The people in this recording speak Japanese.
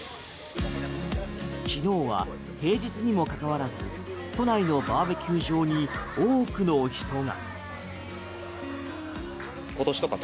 昨日は平日にもかかわらず都内のバーベキュー場に多くの人が。